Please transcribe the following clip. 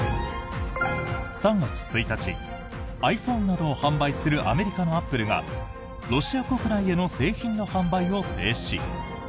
３月１日ｉＰｈｏｎｅなどを販売するアメリカのアップルがロシア国内への製品の販売を停止。